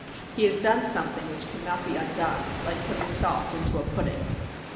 He has done something which cannot be undone, like putting salt into a pudding.